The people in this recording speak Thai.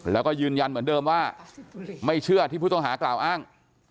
แล้วก็ยืนยันเหมือนเดิมว่าไม่เชื่อที่ผู้ต้องหากล่าวอ้าง